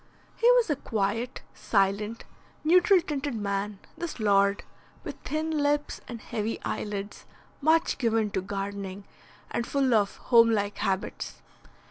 He was a quiet, silent, neutral tinted man, this lord, with thin lips and heavy eyelids, much given to gardening, and full of home like habits.